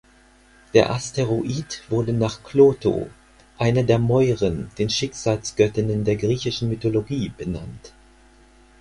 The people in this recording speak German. Der Asteroid wurde nach Klotho, einer der Moiren, den Schicksalsgöttinnen der griechischen Mythologie, benannt.